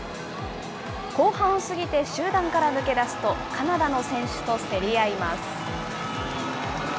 後半を過ぎて、集団から抜け出すと、カナダの選手と競り合います。